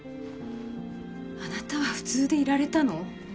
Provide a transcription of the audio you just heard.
あなたは普通でいられたの？